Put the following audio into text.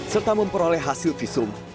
serta memperoleh hasil visum